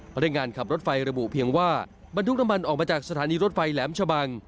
พนักงานขับรถไฟระบุเพียงว่าบรรทุกน้ำมันออกมาจากสถานีรถไฟแหลมชะบัง